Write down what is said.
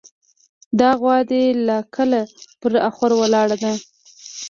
دا غوا دې له کله پر اخور ولاړه ده.